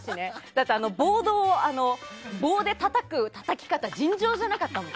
だって、ボードでたたく動き方尋常じゃなかったもん。